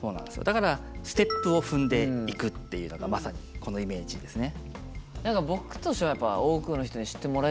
だからステップを踏んでいくっていうのがまさにこのイメージですね。